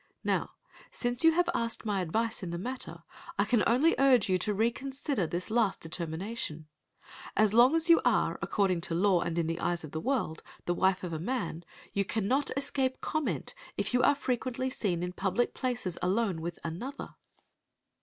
Now since you have asked my advice in the matter, I can only urge you to reconsider this last determination. So long as you are, according to law and in the eyes of the world, the wife of a man, you cannot escape comment if you are frequently seen in public places alone with another.